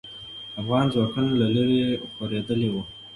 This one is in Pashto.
افغان ځواکونه له لرې خورېدلې وو.